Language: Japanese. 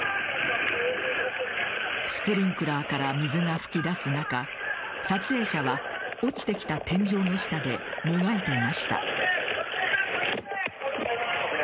スプリンクラーから水が噴き出す中撮影者は落ちてきた天井の下でもがいていました。